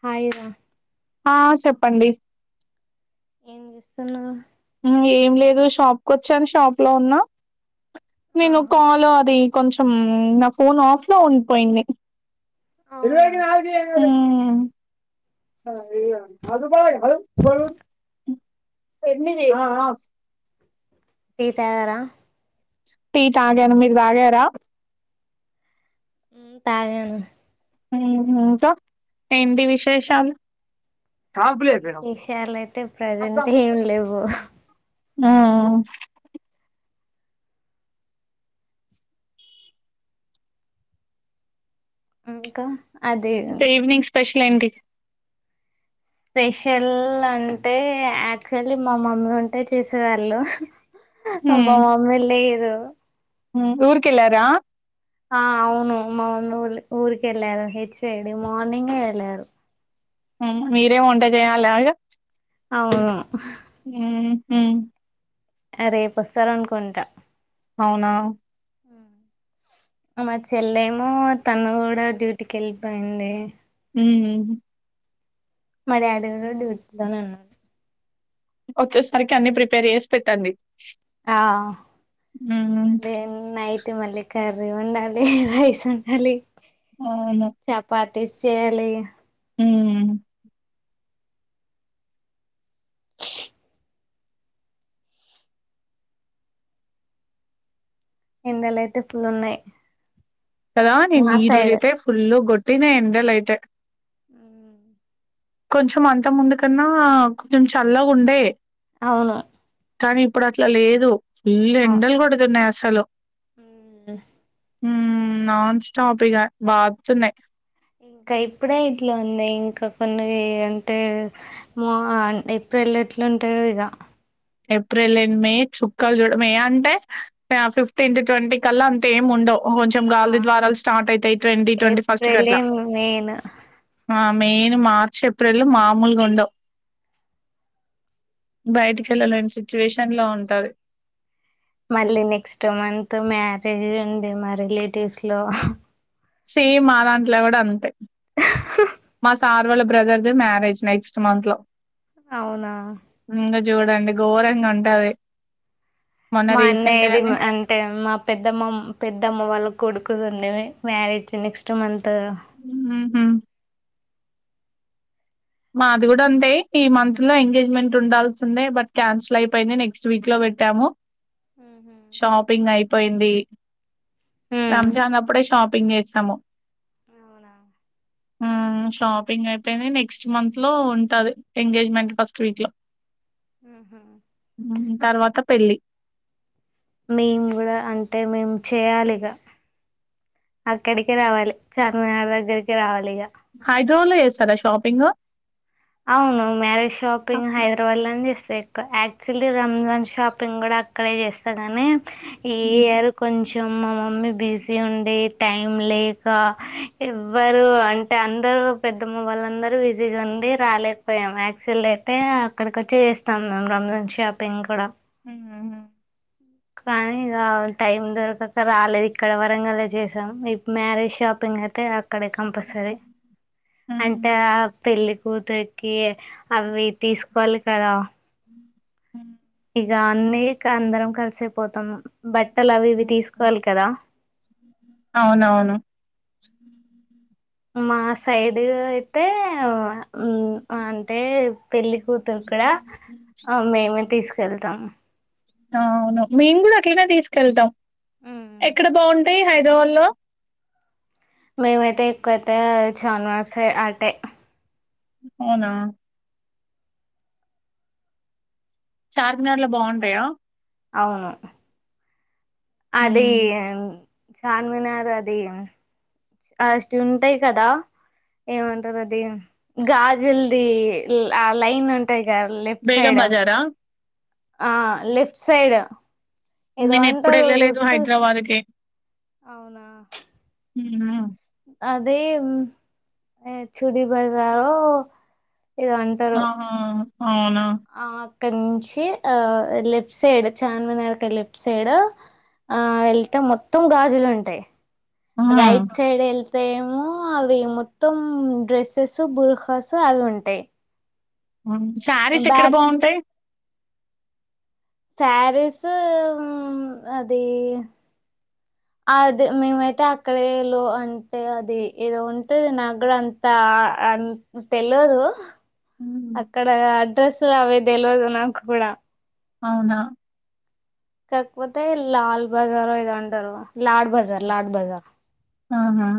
Hi రా ఆ చెప్పండి ఏం చేస్తున్నావ్ ఏం లేదు షాప్ కు వచ్చాను షాప్ లో ఉన్నా నేను ఆహా కాల్ అది కొంచెం నా ఫోన్ ఆఫ్ లో ఉండిపోయింది అవునా ఉమ్ [unintelligible] ఎనిమిది టీ తాగారా టీ తాగను మీరు తాగార తాగాను ఉహూ ఇంకా ఏంటి విశేషాలు కాల్పులేపేడం. విషయాలయితే ప్రజెంట్ ఏం లేవు ఉమ్ ఇంకా అది ఇంకా ఈవినింగ్ స్పెషల్ ఏంటి స్పెషల్ అంటే యాక్చుల్లీ మా మమ్మీ ఉంటే చేసేవాళ్ళు మా మమ్మీ లేదు మ్మ్ ఊర్కెళ్లారా ఆ అవును మామమ్మీ వొళ్ళు ఊరికేళ్ళారు హెచ్ వై డి మార్నింగే ఎళ్ళారు మ్మ్ మీరే వంట చేయాలా ఇగ అవు మ్మ్ హ్మ్ ఆ రేపోస్తారనుకుంటా అవునా మా చెల్లేమో తను కూడా డ్యూటీకేళ్ళిపోయింది మ్మ్ మ డాడీకూడా డ్యూటీలోనే ఉన్నడు వచ్చేసరికి అన్ని ప్రిపేర్ చేసి పెట్టండి ఆ హ్మ్. మళ్ళీ నై ట్ మళ్ళీ కర్రీ వండాలి రైస్ వండాలి అవును టేస్ట్ చేయాలి హ్మ్ ఎండలైతే ఫులు ఉన్నాయ్ కదా నెను ఈరోజైతే ఫుల్ గొట్టిన ఎండలైతే మ్మ్ కొంచం అంతముందు కన్నా కొంచెం చల్లగా ఉండే అవును కానీ ఇప్పుడు అట్లా లేదు ఫుల్ ఎండలు కొడుతున్నాయి అసలు హ్మ్ మ్మ్ నాన్ స్టాపిగా బాద్తున్నయ్ ఇంకా ఇప్పుడే ఇట్లుంది ఇంకా కొన్ని అంటే మ ఏ ప్రిల్ లో ఎట్లుంటాయో ఇగ ఏప్రిల్ అండ్ మే చుక్కాలు చూడు మే అంటే ఫిఫ్టీన్ టు ట్వంటీ కల్లా అంత ఏం ఉండవ్ కొంచెం ఆ గాల్ధీ ద్వారాలు స్టార్ట్ అయితాయ్ ట్వంటీ ట్వంటీ ఫస్ట్ ఏప్రిలే కట్లా మెయిన్ ఆ మేయిన్ మార్చ్ ఏప్రిల్ మామూలుగుండావ్ బయటికి ఎళ్ళలేని సిచ్యువేషన్ లో ఉంటది మళ్ళీ నెక్స్ట్ మంత్ మ్యారేజ్ ఉంది మా రిలేటివ్స్లో సేమ్ మా దాంట్లో కూడా అంతే మా సార్ వాళ బ్రదర్‌ది మరేజ్ నెక్స్ట్ మంత్లో అవునా చూడండి ఘోరంగా ఉంటది మొన్న మా రీసెంట్ అన్నయ్యది గానే అంటే మా పెద్దమ్మ పెద్దమ్మ వాళ్ళ కొడుకుదుంది మ్యరేజ్ నెక్స్ట్ మం మ్మ్ హ్మ్ మాది కూడా అంతే ఈ మంత్ లో ఎంగేజ్మెంట్ ఉండాల్సిందే బట్ క్యాన్సిల్ అయిపోయింది నెక్స్ట్ వీక్ లో పెట్టాము ఉహు షాపింగ్ అయిపోయింది రంజాన్ అప్పుడే షాపింగ్ చేసాము అవునా ఉమ్ షాపింగ్ అయిపోయింది నెక్స్ట్ మంత్లో ఉంటది ఎంగేజ్మెంట్ ఫస్ట్ వీక్లో ఉహు మ్మ్ తర్వాత పెళ్ళి మేమ్ కూడా అంటే మేము చేయాలి ఇగ అక్కడికే రావాలి చార్మినార్ దగ్గరికే రావాలి ఇగ హైదరాబాద్ లో చేస్తారా షాపింగ్ అవును మ్యారేజ్ షాపింగ్ హైదరాబాద్ లోని చేస్తా సో ఎక్కువ యాక్చువల్లీ రంజాన్ షాపింగ్ కూడా అక్కడే చేస్తా నీ హ్మ్ ఈయరు కొంచం మా మమ్మీ బిజీ ఉండే టైం లేక ఎవ్వరు అంటే అందరు పెద్దమ్మ వాళ్ళందరూ విజిగా ఉండి రాలేకపోయాము యాక్సిల్ అయితే అక్కడికి వచ్చి చేస్తాం మేము రంజాన్ షాపింగ్ కూడా ఉమ్ హు హు కానీ ఇగ టైం దొరకక ఇక్కడ వరంగలా చేసాం ఇ మ్యారేజ్ షాపింగ్ అయితే అక్కడే కంపల్సరీ హ్మ్ అంటే ఆ పెళ్లి కూతుకి అవి తీసుకోవాలి కదా అ [unintelligible] అన్ని అందరం కలిసపోతాము బట్టలు అవి ఇవి హ్మ్ తీసుకోవాలి కదా అవునవును మా సైడ్ అయితే అంటే పెళ్లి కూతురు క మేమే తీసుకెళ్తాం అవును మేము కూడ అట్లేనే తీసుకెళ్తం ఎక్కడ బావుంటయి హైదరాబాద్ లో మేమైతే ఎక్కువైతే చాన్వ సే అటే అవునా చార్మినార్ లో బావుంటయా అవును అదీ ఉమ్. చార్మినార్ అదీ ఆస్ట్ ఉంటయి కదా ఏమంటరు అదీ గాజుల్దీ ల్ ఆ లైన్ ఉంటయ్ య లెఫ్ట్ బేగం సైడ్ బజారా ఆ లెఫ్ట్ సైడ్ ఏదో నేను ఎప్పుడు ఉంటది వెళ్ళలేదు గుర్తు హైదరాబాద్ కి అవునా ఉన్నా అదే ఉమ్ చుడి బజారో ఏదో అంటారు అహా అవునా అక్కడ నుంచి ఆ లెఫ్ట్ సైడ్ చార్మినార్ కు లెఫ్ట్ సైడ్ ఆ ఎళ్తె మొత్తం గాజులు ఉంటయి ఉమ్. రైట్ సైడ్ ఎల్ తేమో అవి మొత్తం డ్రెస్సెస్ బుర్ఖాస్ అవి ఉంటయ్ ఊహ్ శారీస్ ఎక్కడ బావుంటయ్ సారీస్ ఉమ్ అదీ అది మేమైతే అక్కడే ఎలో అంటే అది ఏదో ఉంటది నాకు గుడా అంతా అంత్ తెలివదూ ఉమ్. అక్కడ అడ్రస్ అవే తెలివదు నాకు గుడా అవునా కాక్ పోతే లాల్ బజారు ఏదో అంటరు లాడ్ బజార్ లాడ్ బజార్ ఆహా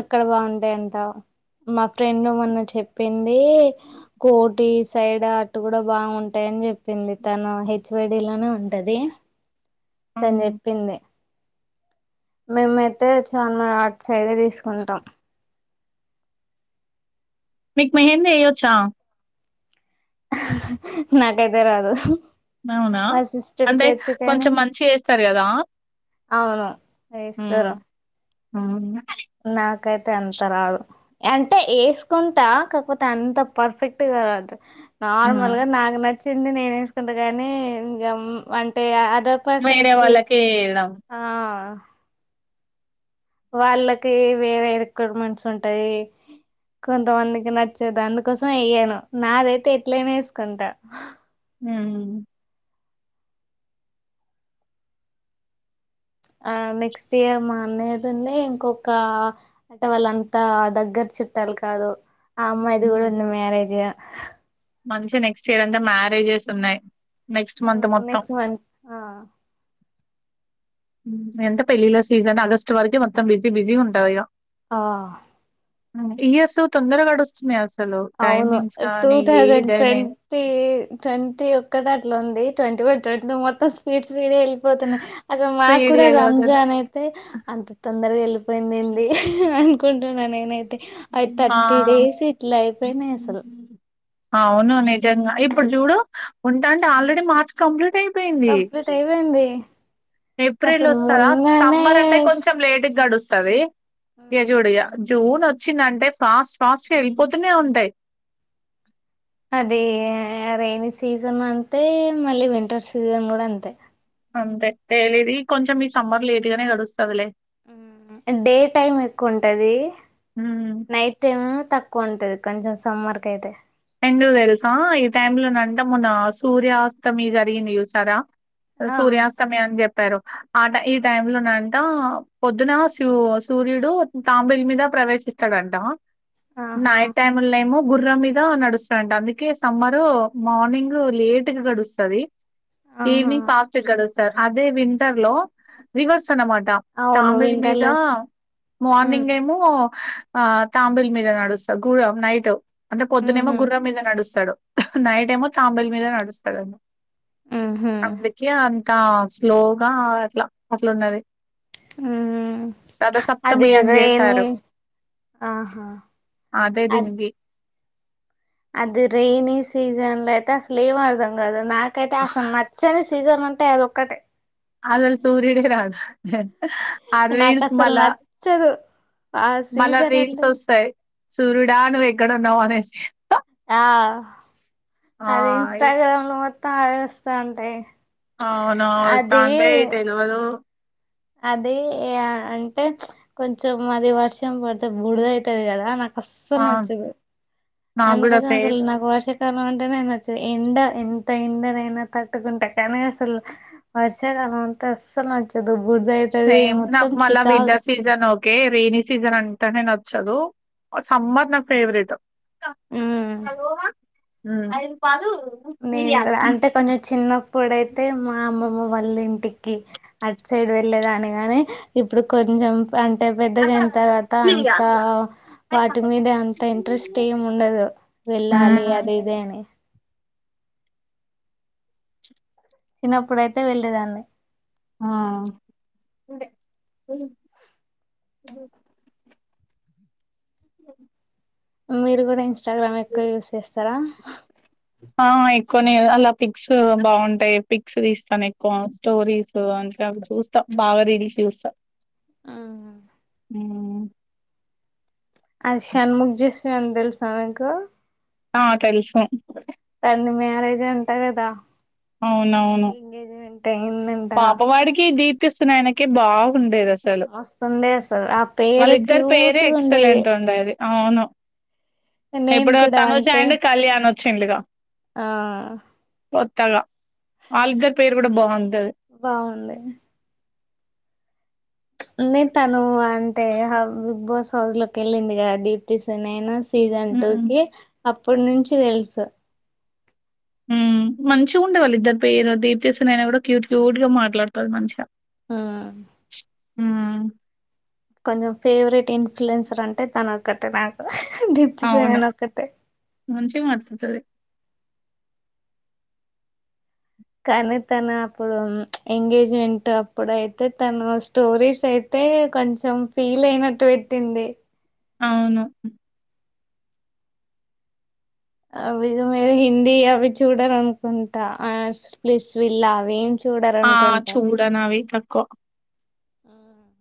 అక్కడ బావుంటయంటా మా ఫ్రెండ్ మొన్న చెప్పిం దీ కోటి సైడా అటు గుడా బాగుంటయని జెప్పింది తను [unintelligible] ఉంటదీ తను ఉమ్. చెప్పింది మేమైతే చార్మ ఆట్ సైడే దీసుకుంటాం మీకు మెహెంద ఎయ్యొచ్చా అహ్హహ్హ హ్ నాకైతే రాదు ఉహ్హు అవునా అంటే కానీ కొంచెం మంచిగ ఏస్తరు గదా అవును ఏస్తరు అవున నాకైతే అంత రాదు. అంటే ఏసుకుంటా కాకపోత అంత పర్ఫెక్ట్ రాదు. నార్మల్ ఉమ్. గ నాకు నచ్చింది నేను ఏసుకుంట గనీ, ఇగ అంటే అ దర్ వేరే పర్సన్కీ వాళ్ళకి వేయడం ఆ వాళ్ళకీ వేరే రిక్రూట్మెంట్స్ ఉంటయి కొంతమందికి నచ్చదు అందుకోసం ఎయ్యను. నాదైతే ఎట్లైనా ఏసుకుంట. ఊమ్ ఆ నెక్స్ట్ ఇయర్ మా అన్నయ్య దుంది ఇంకొక ఆంటె వాళ్ళంతా దగ్గరి చుట్టాలు కాదు ఆ అమ్మాయిది గుడా ఉంది మ్యారేజూ మంచిగా నెక్స్ట్ ఇయర్ అంటె మ్యారేజెస్ ఉన్నయ్ నెక్స్ట్ మంత్ మొత్తం నెక్స్ట్ మంత్ ఆ ఉహ్ ఎంత పెళ్ళీల సీజన్ ఆగస్ట్ వరకు మొత్తం బిజీ బిజీ గా ఉంటది ఇగ ఆ ఉ ఇయర్స్ తొందర గడుస్తున్నాయి అసల్ అవును టూ థౌజండ్ ట్వంటీ ట్వంటీ ఒక్కటట్లుంది ట్వంటీ వన్ ట్వంటీ మొం స్పీడ్స్ మీద వెళ్ళిపోతున్నాయి అసలు మాకు స్పీడ్ కూడా గా వెళ్ళిపోతది రంజన్ అయితే అంత తొందరగా వెళ్ళిపోయిందెంది అనుకుంటున్నా నేనైతే అవి ఆ థర్టీ డేస్ ఇట్లా అయిపోయినాయి అసలు అవును నిజంగా ఇప్పుడు చూడు ఉంటంటే ఆల్రెడీ మార్చి కంప్లీట్ అయి కంప్లీట్ అయిపోయింది ఏప్రిల్ అసలు వస్తుందా మొన్ననే సమ్మర్ అంటే స్ట్ కొంచెం లేటు గడుస్తుంది ఇగ జూడిగా జూన్ వచ్చిందంటే ఫాస్ట్ ఫాస్ట్ గా వెళ్ళిపోతూనే ఉంటాయి అది రైనీ సీజన్ అంతే మళ్ళీ వింటర్ సీజన్ కూడా అంతే అంతే తెేలిదు కొంచెం ఈ సమ్మర్ లేట్ గానే గడుస్తుందిలే డే టైమ్ ఎక్కువ ఉంటది హ్మ్. నైట్ టైమ్ తక్కువ ఉంటది కొంచెం సమ్మర్క్ అయితే ఎందుకు తెలుసా ఈ టై లో నంట మొన్న సూర్యాస్తమి జరిగింది చూసారా ఆ సూర్యాస్తమి అని చెప్పారు ఆట ఈ టైమ్ లో నంట అంట పొద్దున సూ సూర్యుడు తాంబేలు మీద ప్రవేశిస్తాడంట ఆహా నైట్ టైమ్ లో ఏమో గుర్రం మీద నడుస్తనంట అందుకే సమ్మరు మార్నింగ్ లేట్గా గడుస్తది ఆహా ఈవినింగ్ ఫాస్ట్ గడుస్తది అదే వింటర్ లో రివర్స్ అన్నమాట అవును తాబేలు మీద వింటర్లు ఉమ్ మార్నింగ్ ఏమో ఆ తాంబిల్ మీద నడుస్తాడు గుర నైట్ అంటే పొద్దున్న ఏమో ఉహు గుర్రం మీద నడుస్తాడు నైట్ ఏమో తాంబేలు మీద నడుస్తాడు ఉహు అందుకే అ ఇకా స్లోగా అట్లా అట్లన్నది హ అది అని రైనీ జేశారు. హ అదే అది దీనికి. అది రేనీ సీజన్ లో అయితే అసలు ఏం అర్దాం కాదు నాకైతే అసలు నచ్చని సీజన్ అంటే అది ఒక్కటే అసలు సూర్యుడే రాడు ఆ నాకు రీల్స్ అసలు మల్ల నచ్చదు ఆ మల్ల సీజన్ రీల్స్ అంటే ఒస్తాయి సూర్యుడా నువ్వు ఎక్కడ ఉన్నావు అనేసి ఆ ఆ! అది ఇన్స్టాగ్రామ్ లో మొత్తం ఆవేఒస్తా ఉంటాయి అవునవును వస్తా అది అంటే తెలువదు అది అంటే కొంచెం అది వర్షం పడితే బురద అయితది కదా నాకు ఆ! అస్సలు నచ్చది నాకు అందు గూడా కోసం సేమ్. నాకు వర్ష వర్ష కాలం అంటేనీ నచ్చది ఎండ ఎంత ఎండనైనా తట్టుకుంట కానీ అసలు వర్ష కాలం అంటే అస్సలు నచ్చదు బుర్దా అయితది సేమ్ మొత్తం నాకు మళ్ళా చికాగు winter season okay rainy season అంటానే నచ్చదు సమ్మర్ నా ఫేవరెట్ ఉమ్ ఉమ్ నేను కూడా అంటే కొంచెం చిన్నప్పుడైతే మా అమ్మమ్మమ్మ వాళ్ళ ఇంటికి అట్ సైడ్ వెళ్లేేదాన్ని గని ఇప్పుడు కొంచెం అంటే పెద్దగాయిన తర్వాత అంత వాటి మీద అంత ఇంట్రెస్ట్ ఏమి ఉండదు వెళ్ళాలి అది ఇది అని చిన్నప్పుడయితే వెళ్ళేదాన్ని ఆ బ అ మీరు కూడా ఇన్స్టాగ్రామ్ ఎక్కువ యూజ్ చేస్తారా ఆ ఎక్కువనే అలా పిక్స్ బాగుంటాయి పిక్స్ తీస్తాను ఎక్కువ స్టోరీస్ చూస్తాం బాగా రీల్స్ చూస్తాం ఆ అ అది షణ్ముఖ్ జశ్వంత్ తెలుసా మీకు? ఆ తెలుసు. వాంది మ్యారేజ్ అంటా గదా అవునవును అయిందంట పాపవాడికి దీప్తిసునైనకి బాగు ఉండేది అది అసలు మస్తుండే అసలు ఆ పేరు వాళ్ళిద్దరు పేరే క్యూట్గా ఉండేది ఎక్సలెంట్ ఉండేది అవును నేను ఇప్పుడు కూడా తనుజ అంటే అండ్ కళ్యాణ్ ఒచ్చిండుగా ఆ కొత్తగా వాళ్ళిద్దరి పేరు కూడా బాగుంటది బాగుంది అంటే తాను అంటే ఆ బిగ్ బాస్ హౌస్ లోకి వెళ్ళింది కదా దీప్తిసునైనా సీజన్ టూ హ్మ్. కి అప్పుడు నుంచి తెలుసు హ్మ్ మంచిగా ఉండే వాళ్లిదరి పేర్ అది దీప్తి సునైనా అయినా కూడా క్యూట్ క్యూట్ గా మాట్లాడుతంది మంచిగా. ఉమ్ ఉమ్ కొంచెం ఫేవరెట్ ఇన్ఫ్లున్సర్ అంటే తన ఒక్కటే నాకూడా అవును. దీప్తిసునైనా ఒక్కతే [inaudible] కానీ తను అప్పుడు ఎంగేజ్మెంట్ అప్పుడు అయితే తను స్టోరీస్ అయితే అయితే కొంచెం ఫీల్ అయినట్టు వెట్టింది అవును అవి మీరు హిందీ అవి చూడారు అనుకుంటా ఆ ప్లీస్ విల్ అవి ఆ చూడను అవి తక్కువ హ్మ్